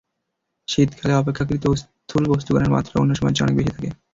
শীতকালে অপেক্ষাকৃত স্থূল বস্তুকণার মাত্রাও অন্য সময়ের চেয়ে অনেক বেশি থাকে।